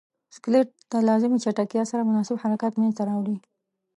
سکلیټ د لازمې چټکتیا سره مناسب حرکت منځ ته راوړي.